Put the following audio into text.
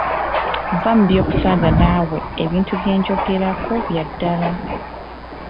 Vva mu by’okusaaga naawe ebintu byenjogerako bya ddala.